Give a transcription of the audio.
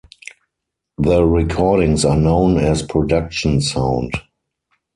The recordings are known as production sound.